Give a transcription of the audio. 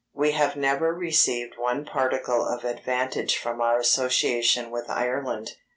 We have never received one particle of advantage from our association with Ireland....